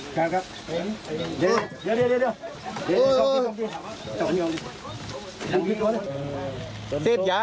ตั้งปลา